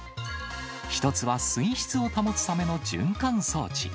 １つは水質を保つための循環装置。